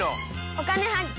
「お金発見」。